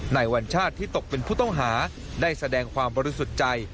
วัญชาติที่ตกเป็นผู้ต้องหาได้แสดงความบริสุทธิ์ใจ